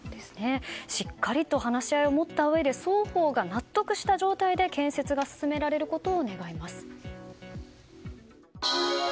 しっかりと話し合いを持ったうえで双方が納得した状態で建設が進められることを願います。